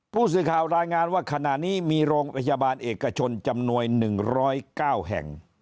ผู้สื่อข่าวรายงานว่าขณะนี้มีโรงพยาบาลเอกชนจำนวน๑๐๙แห่ง